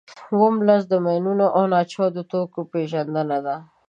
اووم لوست د ماینونو او ناچاودو توکو پېژندنه ده.